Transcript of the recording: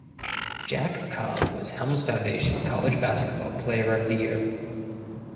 Jack Cobb was Helms Foundation College Basketball Player of the Year.